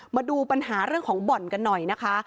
มาดูปัญหาเรื่องของบ่อนกันหน่อยนะคะ